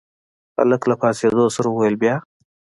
هلک له پاڅېدو سره وويل بيا.